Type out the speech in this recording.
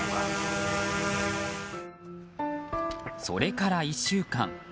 それから１週間。